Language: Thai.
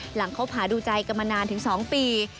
หลังเขาผ่าดูใจกับมานานถึง๒ปี